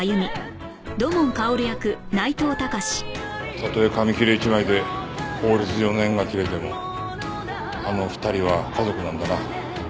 たとえ紙切れ１枚で法律上の縁が切れてもあの２人は家族なんだな。